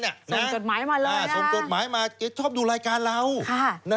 ส่งจดหมายมาเลยส่งจดหมายมาแกชอบดูรายการเรา